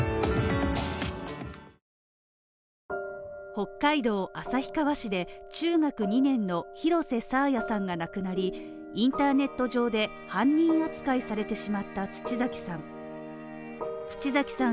北海道旭川市で中学２年の廣瀬爽彩さんが亡くなり、インターネット上で犯人扱いされてしまった土崎さん。